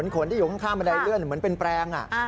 ขนที่อยู่ข้างบันไดเลื่อนเหมือนเป็นแปลง